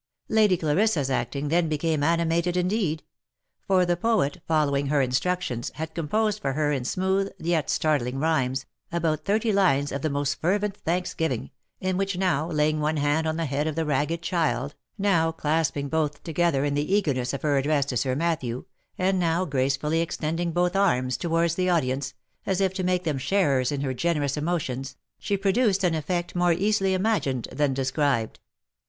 Lady Clarissa's acting then became animated indeed; for the poet, following her instructions, had composed for her in smooth, yet startling rhymes, about thirty lines of the most fervent thanksgiving, in which, now laying one hand on the head of the ragged child, now clasping both together in the eagerness of her address to Sir Matthew, and now gracefully extending both arms towards the audience, as if to make them sharers in her generous emotions, she produced an effect more easily imagined than described.